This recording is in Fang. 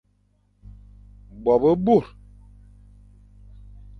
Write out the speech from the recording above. Bo be bôr, des hommes petits, ou peu.